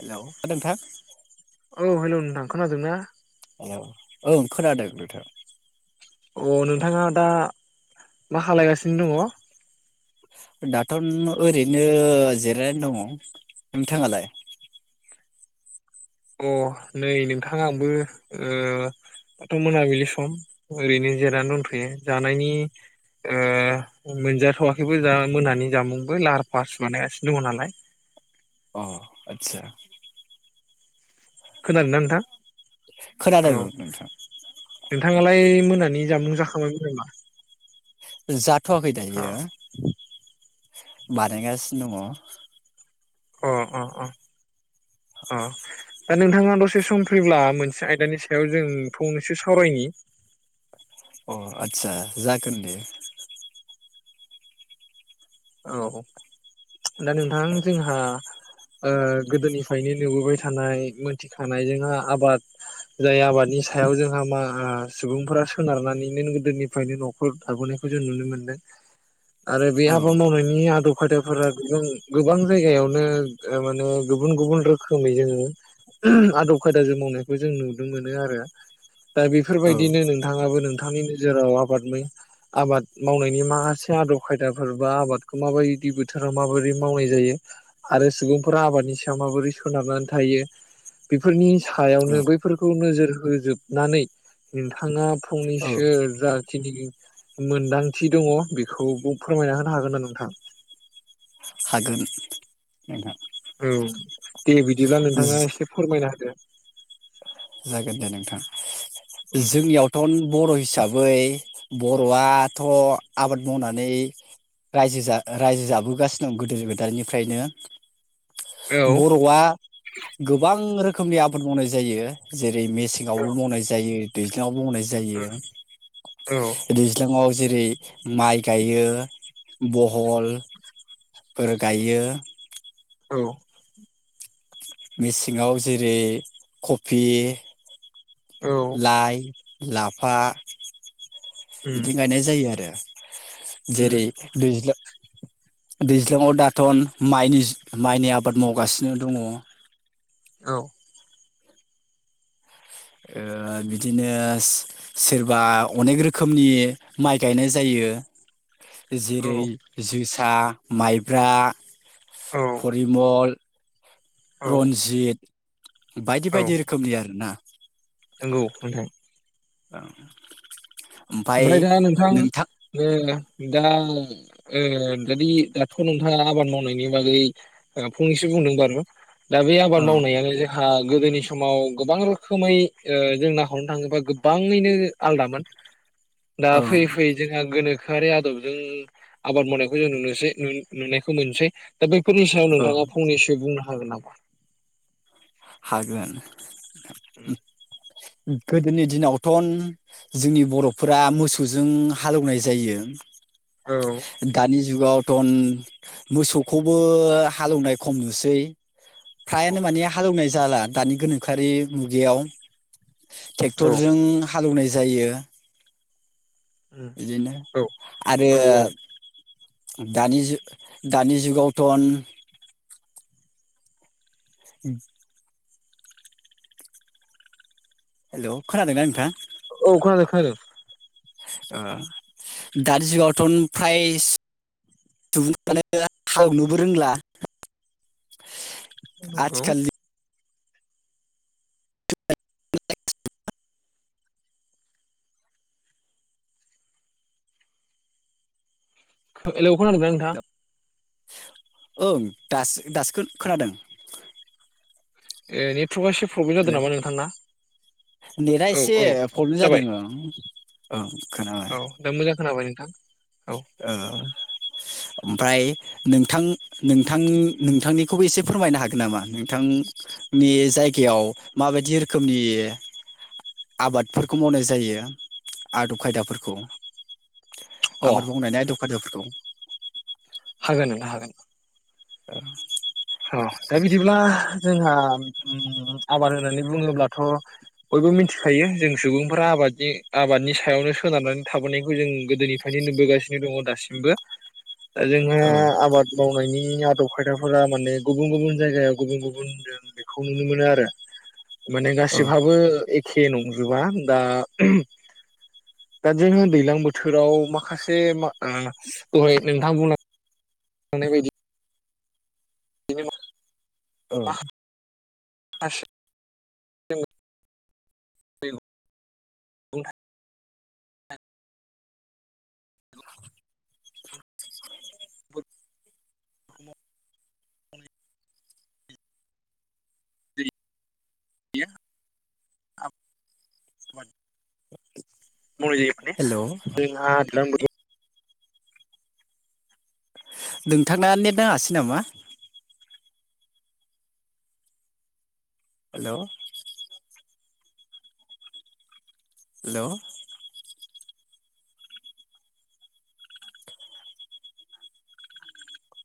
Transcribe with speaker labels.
Speaker 1: Hello खो नोंथां
Speaker 2: खोनादों ना?
Speaker 1: औ ओं खोनादों नोंथां
Speaker 2: अ नोंथाङा दा मा खालायगासिनो दङ
Speaker 1: दाथन ओरैनो जिरायनानै दङ नोंथाङालाय
Speaker 2: [inaudible] अ नै नोंथां‌ आंबो ओह दाथ मोनाबिलि सम ओरैनो जिरनानै दंथयो जानायनि ओ मोनजाथवाखैबो जा मोनानि जामुंबो लाहार फाहारसो बानायगासिनो दङ नालाय [inaudible]
Speaker 1: अह आतसा
Speaker 2: खोनादोंना नोंथां? औ
Speaker 1: खोनादों नोंथां
Speaker 2: नोंथाङालाय मोनानि जामुं जाखांबायमोन नामा?
Speaker 1: जाथवाखै
Speaker 2: अ
Speaker 1: दायो बानायगासिनो दङ
Speaker 2: अ अ अ अह दा नोंथाङा दसे सम फ्रिब्ला मोनसे आयदानि सायाव जों फंनैसो सावरायनि [inaudible]
Speaker 1: अ आदसा जागोन दे
Speaker 2: औ दा नोंथां जोंहा ओ गोदोनिफ्रायनो नुबोबाय थानाय मोनथिखानाय जोंहा आबाद जाय आबादनि सायाव जोंहा माहा सुबुंफोरा सोनारनानैनो गोदोनिफ्रायनो नखर दाबोनाय खो जों नुनो मोनदों आरो बे
Speaker 1: औ
Speaker 2: आबाद मावनायनि आदब खायदाफोर जों गोबां जायगायावनो ओ माने गुबुन गुबुन रोखोमै जोङो आदब खायदाजों मावनायखौ जों नुदो मोनो आरो दा बिफोर
Speaker 1: औ
Speaker 2: बादिनो नोंथाङाबो नों नोंथांनि नोजोराव आबादनि आबाद मावनायनि माखासे आदब खायदा फोर बा आबादखौ माबायदि बोथोराव माबोरै मावनाय जायो आरो सुबुंफोरा आबादनि सायाव माबोरै सोनाबनानै थायो बेफोरनि
Speaker 1: औ
Speaker 2: सायावनो बैफोरखौ नोजोर होजोबनानै नोंथाङा
Speaker 1: औ
Speaker 2: फंनैसो जाखिनि मोनदांथि दङ बेखौ फोरमायना होनो हागोन ना नोंथां?
Speaker 1: हागोन नोंथां।
Speaker 2: औ दे बिदिब्ला नोंथाङा एसे फोरमायना होदो।
Speaker 1: जागोन दे नोंथां जोंनियावथ' बर' हिसाबै बर'आथ' आबाद मावनानै रायजा-रायजो जाबोगासिनो दं गोदो गोदायनिफ्रायनो।
Speaker 2: औ
Speaker 1: बर'आ गोबां रोखोमनि आबाद मावनाय जायो जे रै मेसेङावबो मावनाय जायो दैज्लाङावबो मावनाय जायो दैज्लाङाव जेरै माइ गायो बहल फोर गायो।
Speaker 2: औ
Speaker 1: मेसेङाव जेरै कफि
Speaker 2: औ
Speaker 1: लाइ-लाफा
Speaker 2: उम
Speaker 1: बिदि गायनाय जायो आरो
Speaker 2: उम
Speaker 1: जेरै दैज्ला दैज्लाङाव दाथन माइनिज माइनि आबाद मावगासिनो दङ।
Speaker 2: औ
Speaker 1: ओ बिदिनो सो-सोरबा अनेक रोखोमनि माइ गायनाय जायो। ओ जेरै
Speaker 2: औ
Speaker 1: जोसा माइब्रा
Speaker 2: औ
Speaker 1: परिमल
Speaker 2: औ
Speaker 1: रनजित बायदि
Speaker 2: औ
Speaker 1: बायदि रोखोमनि आरोना।
Speaker 2: नंगौ नोंथां।
Speaker 1: औ।
Speaker 2: ओमफ्राय दा नोंथां ओ दा ओ जदि दाथ' नोंथाङा आबाद मावनायनि बागै ओ फंनैसो बुं बारु दा बे आबाद
Speaker 1: ओं
Speaker 2: मावनायानो जोहा गोदोनि समाव गोबां रोखोमै ओ जों ना हरनो थाङोबा गोबाङैनो आलदामोन। दा
Speaker 1: ओं
Speaker 2: फैयै फैयै जोंहा गोनो खोआरि आदबजों आबाद मावनायखौ जों नुनोसै नुनायखौ मोनसै दा बै बेफोरनि सायाव
Speaker 1: ओं
Speaker 2: नोंथाङा फंनैसो बुंनो हागोन नामा?
Speaker 1: हागोन । गोदोनि दिनावथ'न जोंनि बर'फोरा मोसौजों हालेवनाय जायो।
Speaker 2: औ
Speaker 1: दानि जुगाव टन मोसौखौबो हालौवनाय खम नुसै फ्रायानो माने हा नाय जाला दानि गोनोखोआरि मुगायाव
Speaker 2: औ
Speaker 1: ट्रेक्टरजों हालवनाय जा जायो। बिदिनो
Speaker 2: औ
Speaker 1: आरो
Speaker 2: औ औ
Speaker 1: दानिजु दानि जुगावथ' ओम हेल' खोनादोंना नोंथां?
Speaker 2: औ खोनादों खोनादों
Speaker 1: ओ दानि जुगावथ' फ्राय सुबुंफ्रानो हालोवनोबो रोंला
Speaker 2: नंगौ।
Speaker 1: आथिखालनि
Speaker 2: हेल' खोनादों ना नोंथां?
Speaker 1: ओं दासो दासो खोनादों।
Speaker 2: ए निथ
Speaker 1: हेलौ नेटआ
Speaker 2: औ
Speaker 1: एसे
Speaker 2: औ
Speaker 1: प्रब्लेम जादों
Speaker 2: जाबाय
Speaker 1: ओं औ
Speaker 2: औ दा मोजां खोनाबाय नोंथां औ
Speaker 1: ओ उम फ्राय नोंथां नोंथां नोंथांनिखौबो एसे फोरमायनो हागोन नामा नोंथां? नि जायगायाव माबायदि रोखोमनि आबादफोरखौ मावनाय जायो आदब खायदाफोरखौ
Speaker 2: अ
Speaker 1: आबाद मावनायनि आइदब खायदाफोरखौ
Speaker 2: हागोन नोंथां हागोन
Speaker 1: औ
Speaker 2: औ दा बिदिब्ला जोंहा उम आबाद होननानै बुङोब्लाथ बयबो मिथि खायो जों सुबुंफोरा आबादनि आबादनि सायावनो सोनारनानै थाबोनायखौ जों गोदोनिफ्रायनो नुबोगासिनो दङ दासिमबो दा जोंहा
Speaker 1: औ
Speaker 2: आबाद मावनायनि आदब खायदाफोरा माने गुबुन गुबुन जायगायाव गुबुन गुबुन जों बेखौ नुनो मोनो आरो। माने
Speaker 1: औ
Speaker 2: गासिबहाबो एखे नंजोबा दा दा जोङो दैलां बोथोराव माखासे माखा- दहाय नोंथां बुं खानायबादि
Speaker 1: औ
Speaker 2: [unintelligible] [unintelligible] [unintelligible] [unintelligible]
Speaker 1: हेल'
Speaker 2: [unintelligible]
Speaker 1: नोंथांना नेट नाङासै नामा? Hello hello